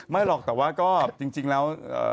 ไม่หรอกแต่ว่าก็จริงแล้ว